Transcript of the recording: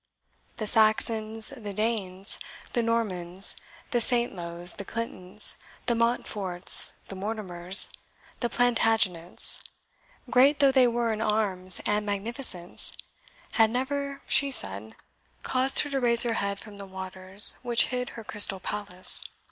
'The Saxons, the Danes, the Normans, the Saintlowes, the Clintons, the Montforts, the Mortimers, the Plantagenets, great though they were in arms and magnificence, had never, she said, caused her to raise her head from the waters which hid her crystal palace.